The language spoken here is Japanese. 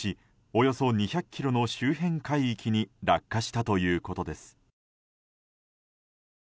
およそ２００ｋｍの周辺海域に落下したということです。